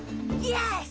よし！